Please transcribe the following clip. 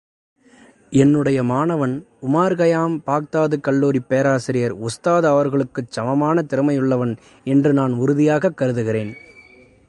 என்னுடைய மாணவன் உமார்கயாம் பாக்தாதுக் கல்லூரிப் பேராசிரியர் உஸ்தாது அவர்களுக்குச் சமமான திறமையுள்ளவன் என்று நான் உறுதியாகக் கருதுகிறேன்.